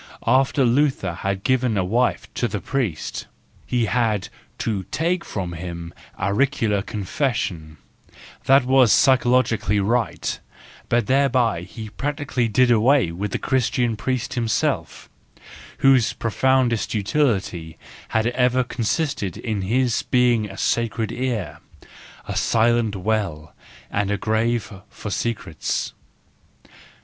After Luther had given a wife to the priest, he had to take from him auricular confes¬ sion ; that was psychologically right: but thereby he practically did away with the Christian priest him¬ self, whose profoundest utility has ever consisted in his being a sacred ear, a silent well, and a grave for secrets.